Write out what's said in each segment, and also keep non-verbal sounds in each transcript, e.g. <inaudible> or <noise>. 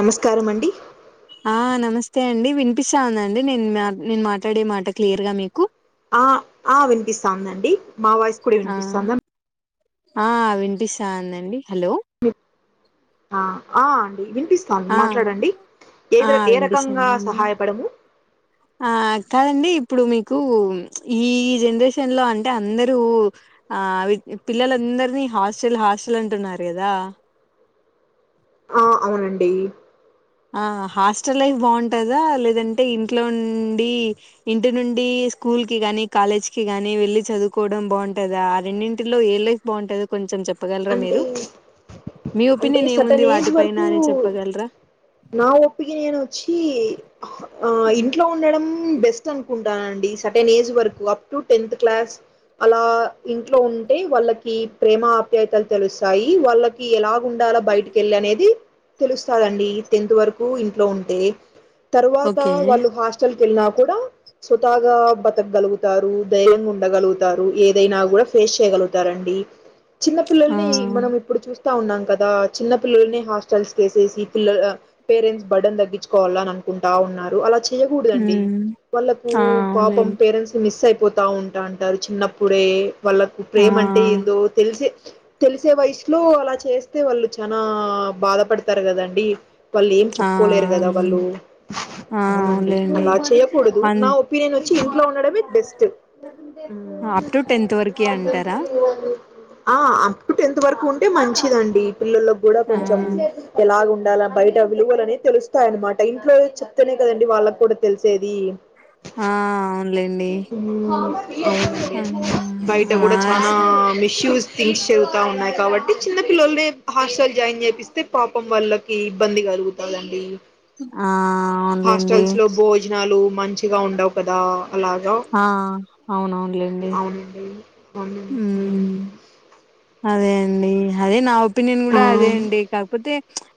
నమస్కారం అం ఆ నమస్తే అండి వినిపిస్తాందండి. నేను మా నేను మాట్లాడే మాట క్లియర్ గా మీకు అ ఆ వినిపిస్తాందండి మా వాయిస్ కూడా ఆ వినిపిస్తందా. ఆ వినిపిస్తాందండి హలో ను అ ఆ వినిపిస్తా ఆ మాట్లాడండి ఆ ఏవి ఏ రకంగా వినిపిస్తాందండి సహాయపడము. ఆ కాదండి ఇప్పుడు మీకు ఈ జనరేషన్ లో అంటే అందరూ ఆ అవి పిల్లల అందరిని హాస్టల్ హాస్టల్ అంటున్నారు కదా. ఆ అవునండి ఆ హాస్టల్ లైఫ్ బావుంటదా లేదంటే ఇంట్లో నుండి ఇంటి నుండి స్కూ స్కూల్ కి కానీ, కాలేజి కి గానీ వెళ్ళి చదువుకోవడం బావుంటద ఆ రెండింటిలో ఏ లైఫ్ బావుంటదొ కొంచెం చెప్ చెప్పగలరా అంటే మీరు మీ అంటే ఒపీనియన్ ఏముంది సటన్ ఏజ్ వాటి పైన వరకు అని చెప్పగలరా. నా ఒపీనియనొచ్చి హ ఆ ఇంట్లో ఉండడం. బెస్ట్ అనుకుంటానండి సర్టెన్ ఏజ్ వరకు అప్ టు టెన్త్ క్లాస్ అలా ఇంట్లో ఉంటే వాళ్ళకి ప్రేమ తెటలు తెలుస్తాయి వాళ్ళకి ఎలాగుండాల బయటికి వెళ్ళి అనేది తెలుస్తాదండి టెన్త్ వరకు ఇంట్లో ఉంటే తరువాత ఓకే వాళ్ళు హాస్టల్ పొయిన కూడా సొతాగా బతకగలుగుతారు ధైర్యంగా ఉండగలుగుతారు ఏదైనా కూడా ఫేస్ చేయగలుగుతారండి చిన్న ఆ పిల్లల్ని మనం ఇప్పుడు చూస్త ఉన్నాం కదా చిన్న పిల్లలని హాస్టల్స ఏసేసి పిల్ల పేరెంట్స్ బడ్న్ తగ్గించుకోవాలి అని అ ఉన్నారు అలా చేయకూడదండి ఉమ్ వాళ్ళకు ఆ పాపం అవునులేండి పేరెంట్స్ మిస్ అయిపో పోతా ఉంటా అంటారు చిన్నప్పుడే వాళ్ళకు ఆ ప్రేమ అంటే ఏందో తె తెలిసే వయసులో అలా చేస్తే వాళ్ళు చనా బాధపడతారు కదండి వాళ్ళు ఏం ఆ చెప్పుకోలేరు కదా వాళ్ళు అవునులేండి ఆ అవునండి అవునులేండి అలా చేయకూడదు అన్ నా ఒపీనియన్ వచ్చి ఇంట్లో ఉండడమే బెస్ట్ అప్ టు టెన్త్ వరకే అంటారా <unintelligible> ఆ అప్ టు టెన్త్ వరకు ఉంటే మంచిదండి పిల్లలకి కూడా ఆ కొంచెం ఎలా ఉ ఉండాల బయట విలువలునే తెలుస్తాయనమాట ఇంట్లో చెప్తేనే కదండి వాళ్ళకి కూడా తెలిసేది ఆ అవునులేండి అ ఆ బయట ఆ కూడా చనా షూస్ థింక్స్ చదువుతా ఉన్నాయి కాబట్టి చిన్న పిల్లల్ని హాస్టల్ జాయిన్ చేపిస్తే పాపం వాళ్ళకి ఇబ్బంది కలుగుతందండి ఆ అవునులేండి హాస్టల్స్ లో భోజనాలు మంచిగా ఉండవు కదా అలాగా ఆ అవునవునులేండి అవునండి అవును ఉమ్ అదే అండి అదే నావ ఒపీనియన్ ఆ కూడా అదే అండి కాకపోతే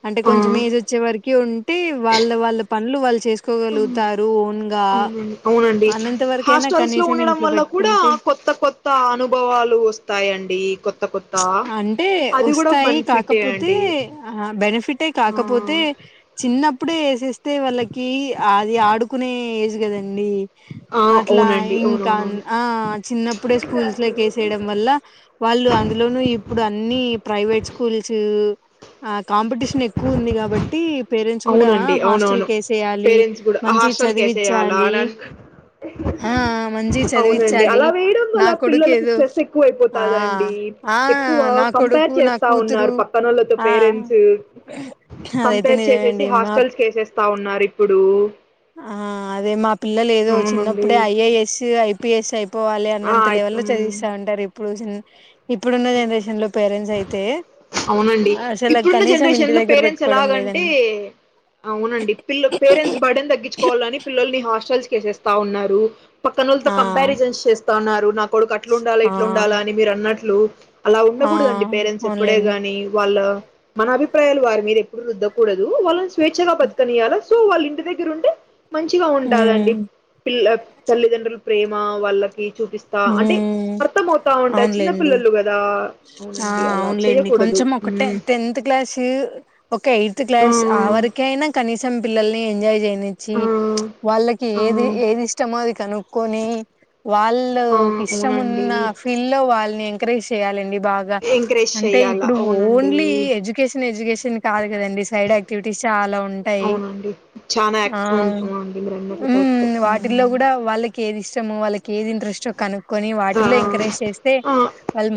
అంటే ఆ కొంచెం ఏజ్ వచ్చే వరకి ఉంటే వాళ్ళ వాళ్ళ ప వాళ్ళు చే ఎసుకోగలుగుతారు ఓన్గా అవునండి అవునండి అనంత వరకైనా హాస్టల్స్ లో కనీసం ఉండడం ఇంట్లో వల్ల కూడా పెట్టుకుంటే కొత్త కొత్త అనుభవాలు వస్తాయండి కొత్త కొత్త అంటే అది కూడా వస్తాయి బెనిఫిటే కాకపోతే అండి ఆ బెనిఫిటే ఆ కాకపోతే చిన్నప్పుడే వేసేస్తే వాళ్ళకి అది ఆడుకునే ఏజ్ కదండి ఆ అట్లా అవునండి ఇంకా అవునవునవును ఆ చిన్నప్పుడే స్కూల్స్ లో వేసేయడం వల్ల వాళ్ళు అందు ఇ లోను ఇప్పుడు అన్ని ప్రైవేట్ స్కూల్స్ ఆ కాంపిటీషన్ ఎక్కువ ఉంది కాబట్టి పేరెంట్స్ కూడా అవునండి హాస్టల్ అవునవును కేసేయాలి పేరెంట్స్ కూడా మంచి హాస్టల్ కి వసేయాలా చదివించాలి అని ఆ మంచి అవునండి చదివించాలి అలా వేయడం నా వల్ల కొడుకు పిల్లలకి ఏదో స్ట్రెస్ ఆ ఎక్కువైపోతుందండి ఆ ఎక్కువ నా కంపేర్ కొడుకు నా చేస్తా కూతురు ఉన్నారు పక్కన వాళ్ళతో ఆ పేరెంట్స్ అదైతే కంపేర్ చేసేసి నిజమేండి మా హాస్టల్స్ వేసేస్తా ఉన్నారు ఇప్పుడు ఆ అదే మా పిల్లలే ఏదో అవునండి చిన్నప్పుడే ఐఐఎస్ ఐపీఎస్ అయిపోవాలి వాళ్ళ ఆ అన్నంత లెవె లో అయి చదివిస్తా ఉంటారు ఇప్పుడు ఇప్పుడున్న జనరేషన్ లో పేరెంట్స్ అయితే అవునండి అసలు ఇప్పుడున్న కనీసం ఇంటి జనరేషన్ లో దగ్గర పేరెంట్స్ పెట్టుకోవడం ఎలాగంటే లేదండి అవునండి పిల్ల పేరెంట్స్ బడ తగ్గించుకోవాలని పిల్లల్ని హాస్టల్స్ వేసేస్తా ఉన్నారు పక్కన ఆ కంపజన్స్ చేస్తా ఉన్నారు నా కొడుకు అట్లు ఉండాలి ఆ ఇట్లు ఉండాలా అని మీరు అన్నట్లు అలా ఆ ఉండకూడదండి పేరెంట్స్ ఎప్పుడే అవునులేండి గాని వాళ్ళ మన అభిప్రాయాలు వారి మీద ఎప్పుడు రుద్దకూడదు వాళ్ళ స్వేచ్ఛగా బతకనియ్యాల సో వాళ్ళ ఇంటి దగ్గర ఉంటే మంచిగా ఉంటందిండి ఉమ్ పిల్ల తల్లిదండ్రులు ప్రేమ వాళ్ళ చూపిస్తా అంటే ఉమ్ అర్థం అవుతా ఉంట చిన్న అవునులేండి పిల్లలు కదా ఆ అవునండి అలా అవునులేండి చేయకూడదు కొంచెం ఒక మ్మ్. టెన్త్ క్లాస్ ఒక ఎయిత్ క్లాస్ ఆ వరకయినా కనీసం పిల్లని ఎంజాయ చేనీచి ఆ, వాళ్ళకి ఆ, ఏది ఇష్టమో కనుక్కొని వాళ్ళ ఆ, అవునండి ఇష్టంన్న ఫీల్ లో వాళ్ళని ఎంకరేజ్ చేయాలండి బాగా ఎంకరేజ్ అంటే చేయాలా ఇప్పుడు అవునండి ఓన్లీ ఎడ్యుకేషన్ ఎడ్యుకేష కాదు కదండి సైడ్ యాక్టివిటీస్ చాలా ఉ ఉంటాయి అవునండి చాలా ఆ యాక్ట్ అవునండి మీరు అన్నట్లు కరెక్ట్ వాటిల్లో కూడా వాళ్ళకి ఏదిష్ట వాళ్ళకి ఏం ఇంట్రెస్ట్ ఆ ఆ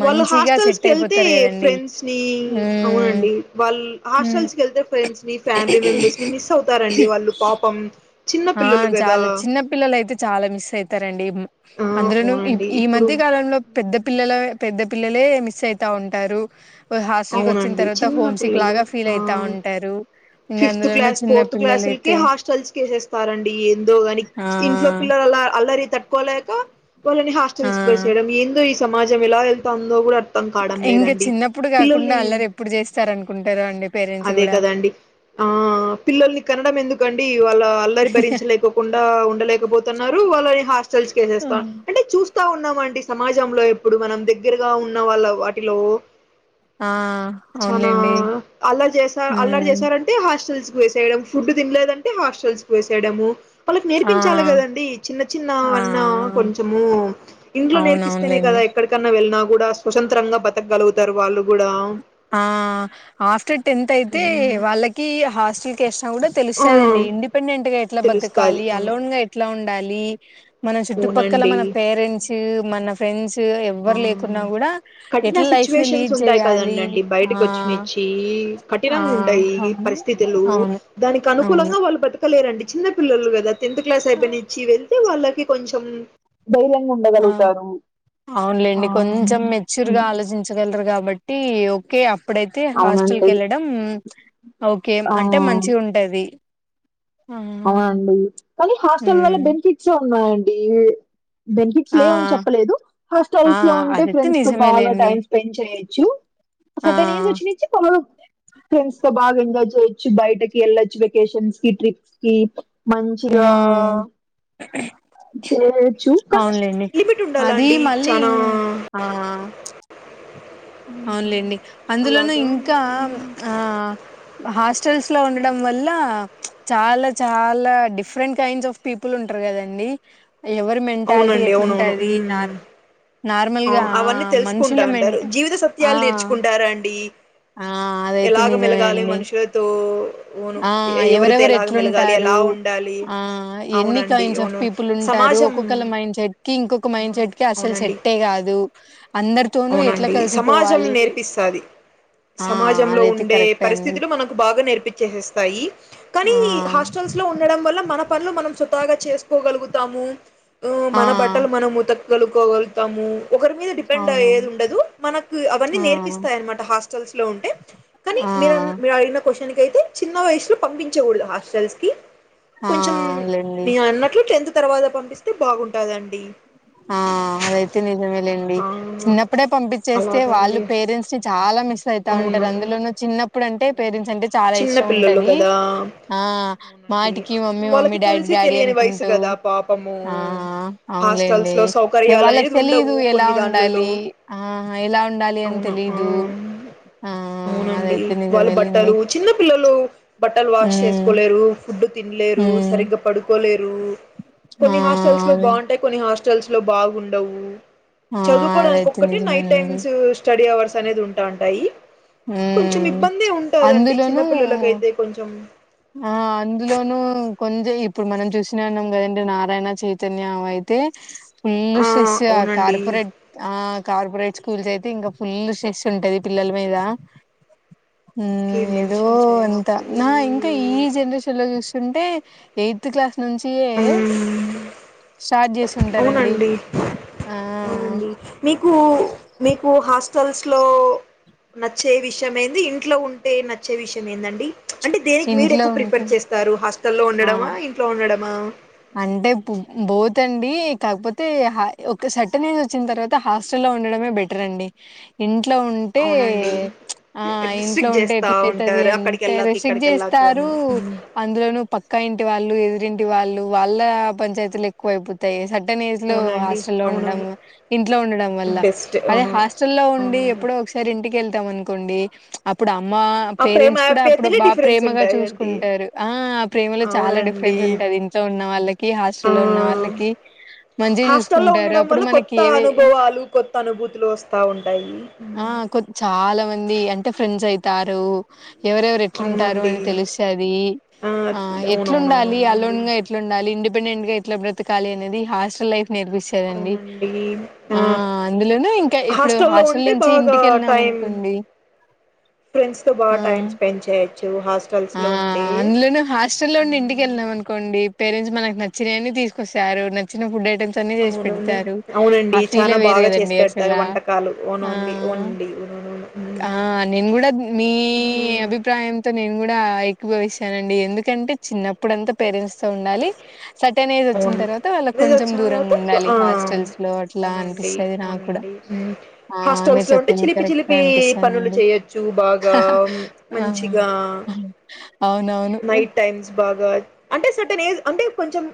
వాళ్ళు మంచిగా హాస్టల్స్ సెట్ కి వెళ్తే అయిపోతారు కదండి ఫ్రెండ్స్ ని ఉమ్ అవునండి వాళ్ళు ఉమ్ హాస్టల్స్కి వెళ్తే ఫ్రెండ్స్ ని ఫ్యామిలీ మెంబర్స్ ని మిస్ అవుతారండి వాళ్ళు పాపం చిన్న ఆ పిల్లలు కదా చాలా చిన్నపిల్లలు అయితే చాలా మిస్ అయితారండి ఆ, అందులోను అవునండి ఈ ఇప్పుడు మధ్య కాలంలో పెద్ద పిల్లలే పెద్ద పిల్లలే మిస్ అయితా ఉంటారు హాస్టల్ కి వచ్చిన అవునండి. తర్వాత చిన్న హోమ్ సిక్ పిల్లలు లాగా ఫీల్ అయితా ఆహ్, ఉంటారు ఇంకా ఫిఫ్త్ అందులోన క్లాస్, చిన్న పిల్లలయితే ఇస్తారండి ఎందో ని ఇంట్లో పిల్లలు అల అల్లరి తట్టుకోలేక వాళ్ళని ఆ హాస్టల్స్కి వేసేయడం ఏందో ఈ సమాజం ఎలా వెళ్తాందో కూడా అర్థం కావడం ఇంకా లేదండి చిన్నప్పుడు కాకుండా పిల్లల్ని అల్లరి ఎప్పుడు చేస్తారు అనుకుంటారు అండి పేరెంట్స్ అదే కూడా కదండి ఆ పిల్లల్ని కనడం ఎందుకండి వాళ్ళ అల్లరి భరించలేకోకుండా ఉ లేకపోతున్నారు వాళ్ళని హాస్టల్స్ వసేస్తారు అంటే చూస్త చూస్తున్నాం అండి సమాజంలో ఎప్పుడు మనం దగ్గరగా ఉన్న వాళ్ళ వాటిలో ఆ చానా అవునులేండి అల్లర్ చేసార్ అల్లర్ ఉమ్ చేసార్ అంటే హాస్టల్స్ కు వేసేయడం ఫుడ్ తినలేదంటే హాస్టల్స్ కు వేసేయడము వాళ్ళకి ఆ నేర్పించాలి కదండి చిన్న ఆ చిన్నవన్న కొంచెము ఇంట్లో నేర్పిస్తేనే అవునవునులేండి కదా ఎక్కడికన్నా వెళ్ళిన కూడా స్వతంత్రంగా బతకగలుగుతారు వాళ్ళు కూడా ఆ ఆఫ్టర్ టెన్త్ అయితే ఉమ్, వాళ్ళకి హాస్టల్ కి ఆ తెలుస్తది అండి ఇండిపెండెంట్ గా ఎట్లా తెలుస్తాది బతకాలి అవును అలోన్ గా ఎట్లా ఉండాలి మన చుట్టుపక్కల అవునండి మన పేరెంట్స్ మన ఫ్రెండ్స్ ఎవ్వరు లేకున్నా ఆ కూడా కఠిన ఎట్లా లైఫ్ సిచ్యువేషన్స్ లీడ్ ఉంటాయి చేయాలి కదండండి ఆ బయటకు వచ్చి నచ్చి ఆ కఠినంగా ఉంటాయి అవును పరిస్థితులు అవును దానికి అను అనుకూలం అవును గా వాళ్ళు బత చిన్న పిల్లలు కదా టెన్త్ క్లాస్ అయిపోయినిచ్చి వెళ్తే వాళ్ళకి కొంచెం ధైర్యంగా ఆ ఉండగలుగుతారు ఆ అవునులేండి కొంచెం మెచ్యూర్ గా హ్మ్. ఆలోచించగలరు కాబట్టి ఓకే అ అప్పుడైతే హాస్టల్ కి అవునండి వెళ్ళడం ఓకే ఆ అంటే మంచి ఉంటది ఆ అవునండి కానీ హాస్టల్ వల్ల హ్మ్. బెనిఫిట్స్ ఉన్నాయండి బెనిఫిట్స్ ఆ! లేవని చెప్పలేదు ఆ! హాస్టల్స్ లో ఆ! ఉంటే అదైతే ఫ్రెండ్స్ తో బాగా నిజమేలేండి. టైమ్ స్పెండ్ చేయొచ్చు ఆ! సెటైన్ ఏజ్ వచ్చినీచి ఫ్రెండ్స్ తో బాగా ఎంజాయ్ చేయొచ్చు బయటకి వెళ్ళచ్చు వెకేషన్స్ కి ట్రిప్స్ కి మంచిగా హ్మ్. చేయొచ్చు కానీ అవునులేండి లిమిట్ ఉండాలా అది అండి మళ్ళీ చానా ఆ అవునులేండి అందులోను అలాగా ఇంకా ఆ హాస్టల్స్ లో ఉండడం వల్ల చాలా చాలా డిఫరెంట్ కైండ్స్ ఆఫ్ పీపుల్ ఉంటారు కదండి ఎవరి మెంటాలిటీ అవునండి అవునవును ఎట్లుంటుది నా మ్మ్ ఆ నార్మల్గా అవన్నీ మనుషుల తెలుసుకుంటా మెన్ అంటారు జీవిత ఆ సత్యాలు నేర్చుకుంటారా అండి ఆ అదైతే నిజమేయండి ఉ ఆ ఎవరెవరు ఎలా ఎట్లుంటారు ఉండాలి ఆ ఎన్ని అవునండి కైండ్స్ ఆఫ్ అవును పీపుల్ ఉంటారు సమాజం ఒక్కొక్కళ మైండ్ సెట్ కి ఇంకొక ఆ, మైండ్ సెట్ కి అసలు అవునండి సట్టే కాదు అవునండి సమాజం నేర్పిస్తుది ఆ! సమాజంలో అదైతే ఉండే కరెక్టే అండి. పరిస్థితులు మనకు బాగా నేర్పించేసస్త కానీ ఆ! హాస్టల్స్ లో ఉండడం వల్ల మన పనులు మనం సుతాగా చేసుకోగలుగుతాము ఆ! మన బట్టలు మనము ఉత్త కలుకోగలుగుతాము ఒకరి మీద డిపెండ్ అయ్యేది అవునవును. ఉండదు మనకు అవన్నీ ఆ! నేర్పిస్తాయి అనమాట హాస్ట హాస్టల్స్ లో ఉంటే కానీ ఆ! మీరు మీరు అడిగిన క్వశ్చన్ కి అ చిన్న వయలో పంపించకూడదు హాస్టల్స్ కి ఆ! కొంచెం అవునులెండి. మీరు అన్నట్లు టెన్త్ తర్వాత పంపిస్తే బాగుంటాదండి ఆ అదైతే నిజమేలేండి ఆ, చిన్నప్పుడే పంపించేస్తే వాళ్ళు అలాగండి పేరెంట్స్ ని చాలా మిస్ అయితా ఉంటారు అవునండి అందులోను చిన్న అప్పుడంటే అవునవును. పేరెంట్స్ అంటే చాలా చిన్న ఇష్టం పిల్లలు ఉంటది గదా ఆ అవునండి. మాటికి మమ్మీ మమ్మీ వాళ్ళకి డాడీ తెలిసి డాడీ తెలియని వయసు అనుకుంటూ గదా పాపము. ఆ అవునులేండి హాస్టల్స్‌లో వాళ్ళకి సౌకర్యాలనేది తెలీదు ఉండవు ఎలా కొన్ని దాన్లలో. ఉండాలి ఆ ఎలా ఉండాలి అని అవును. ఆ! తెలిదు ఆ అవునండి. అదైతే వాళ్ళు నిజమేలెండి బట్టలు చిన్న పిల్లలు బట్టలు వాష్ చేసుకోలేరు ఫుడ్ తినలేరు హ్మ్ సరిగ్గా పడుకోలేరు ఆ కొన్ని హాస్టల్స్ లో అదే. బాగుంటాయి కొన్ని హాస్టల్స్ లో బాగుండవు ఆ చదువుకోవడానికి అదైతే ఒక్కటే నైట్ నిజమేనండి టైమ్స్ స్టడీ అవర్స్ అనేది ఉంటా ఉంటాయి కొంచెం హ్మ్ ఇబ్బందే ఉంటదండి చిన్న అందులోనూ పిల్లలకైతే కొంచెం ఆ అందులోనుూ కొంచెం ఇప్పుడు మనం చూసినా ఉన్నాం కదండి నారాయణ చైతన్య అయితే ఫుల్ ఆ స్ట్రిట్ ఆ అవునండి కార్పొరేట్ ఆ కార్పొరేట్ స్కూల్స్ అయితే ఇంకా ఫుల్ సెస్ ఉంటది పిల్లల మీద హ కే ఇదో మెన్షన్ అంత చేయకు నా ఇంకా ఈ జనరేషన్ లో చూస్తా ంటే ఎయిత్ క్లాస్ నుంచి ఏ మ్మ్ అవునండి ఆ అవునండి మీకు మీకు హాస్ హటల్స్ లో నచ్చే విషయం ఏంది ఇంట్లో ఉంటే నచ్చే విషయం ఏందండి అంటే దేనికి మీరు ఇంట్లో ఎక్కువ ఉంటు ప్రిఫర్ చేస్తారు హస్ లో ఆ ఉండడమా ఇంట్లో ఉండడమా ండి కాకపోతే ఒక సటన్ ఏజ్ వచ్చిన తర్వాత హాస్టల్ లో ఉండడమే బెటర్ అండి ఇంటి ఇట్లా ఉంటే అవునండి ఆ ఇంట్లో రిస్ట్రిక్ట్ ఉంటే చేస్తా ఎట్లా అయితది ఉంటారు అక్కడికి అంటే వెళ్ళాక ఇక్కడికి వెళ్ళాక అని విసికిస్తారు హ్మ్. అందులోనూ పక్కా ఇంటి వాళ్ళు ఎదురింటి వాళ్ళు వాళ్ళ పంచాయతీలు ఎక్కువ అయిపోతాయి సర్టెన్ ఏజ్ లో అవునండి ఉండడం అవునవును ఇంట్లో ఉండడం వల్ల బెస్ట్ అదే అవునవును హాస్టల్ల్లో ఉండి అవునండి ఎప్పుడో ఒకసారి ఇంటికి వెళ్తాం అనుకోండి అప్పుడు మా ఆ ప్రేమ పేరెంట్స్ కూడా అప్పుడు ఆప్యాయతలే బాగా డిఫరెన్స్ ప్రేమగా ఉంటాయండి చూసుకుంటారు ఆ ప్రేమలో చాలా అవునండి డిఫరెన్స్ ఉంటంది ఇంట్లో ఉన్న వాళ్ళకి హాస్టల్ లో ఉన్న వాళ్ళకి మంచిగా హాస్ట లో చూసుకుంటారు. ఉండడం అప్పుడు వల్ల మనకి కొత్త ఏవే అనుభవాలు కొత్త అనుభూతులు వస్తా ఉంటాయి ఆ! కొ చాలా మంది అంటే ఫ్రెండ్స్ అయితారు ఎవరెవరు ఎట్లుంటారు అవునండి అని తెలుస్తది ఆ ఎట్లుండాలి అవునవునవునవునండి అలోన్ గా ఎట్లా ఉండాలి ఇండిపెండెంట్ గా ఎట్లా బ్రతకాలి అనేది హాస్టల్ లైఫ్ నేర్పిస్తదండి అవునండి ఆ అందులోను ఇంకా ఇప్పుడు హాస్టల్లో హాస్టల్ ఉంటే నుంచి బాగా ఇంటికెళ్ళాము టైం కండి ఫ్రెండ్స్ తో బాగా టైమ్ స్పెడ్ చే ఆ అందులోను హాస్టల్ నుండి హ్మ్. ఇంటికెళ్ళాం అనుకోండి పేరెంట్స్ మనకు నచ్చినవాణ్ని తీసుకొస్తారు నచ్చినా ఫుడ్ ఐటమ్స్ న్న చేసి అవునవును పెడతారు అవునండి ఆ ఫీల్ చాలా వేరే బాగా చేసి కదండి పెడతారు అసలా వంటకాలు ఆ అవునండి అవునండి ఆ అవునవును నేను కూడా మీ అభిప్రాయంతో నేను కూడా ఏకా భిష్తానండి ఎందుకంటే చిన్నప్పుడుంతా పేరెంట్స్ తో ఉండాలి సర్టెన్ ఏజ్ వచ్చిన అవును తర్వాత వాళ్ళకి కొంచెం దూరంగా ఉండాలి ఆ హాస్టల్స్ లో అట్లా అవునండి అనిపిస్తది నాకు కూడా అవునండి ఆ మీరు హాస్టల్స్ లో ఉంటే చెప్పింది చిలిపి కరెక్టే చిలిపి పనులు అనిపిస్తుందండి చేయొచ్చు బాగా మంచి ఆ మంచిగా అవునవును నైట్ టైమ్స్ బాగా అంటే ్ అంటే కొంచెం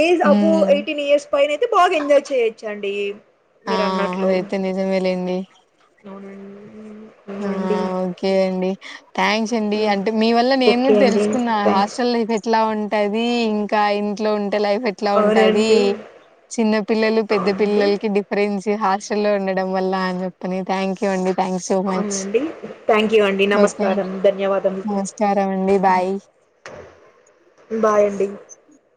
ఏజ్ అబో హ్మ్. ఎయిటీన్ ఇయర్స్ పైైన అయితే బాగా ఎంజాయ్ చేయొచ్చండి ఆ మీరు అన్నట్లు అదైతే నిజమేలేండి అవునండి ఆ అవునండి ఓకే అండి. థ్యాంక్స్ అండి హ్మ్. అంటే మీ వల్ల నేను ఓకే కూడా అండి తెలుసుకున్నా థ్యాంక్స్ హాస్టల్ లైఫ్ ఎట్లా ఉ అది ఇంకా ఇంట్లో ఉంటే లైఫ్ ఎట్లా ఉంటది అవునండి చిన్న పిల్లలు పెద్ద అవునండి పిల్లలకి డిఫరెన్స్ హాస్టల్లో లో ఉండడం వల్ల అని చెప్పి అని థాంక్యూ అండి థ్యాంక్ యూ సో మచ్ అండి థ్యాంక్ యూ అండి ఓకే. నమస్కారం ధన్యవాదము. నమస్కారం అండి. బాయ్. బై అండి.